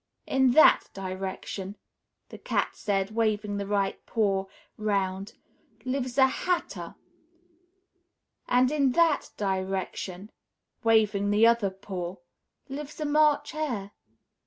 "In that direction," the Cat said, waving the right paw 'round, "lives a Hatter; and in that direction," waving the other paw, "lives a March Hare.